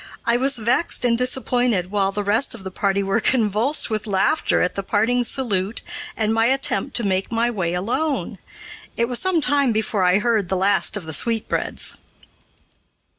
I was vexed and disappointed, while the rest of the party were convulsed with laughter at the parting salute and my attempt to make my way alone. It was some time before I heard the last of the "sweetbreads."